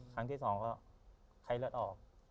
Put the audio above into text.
ครั้งที่สองก็ไข้เลือดออก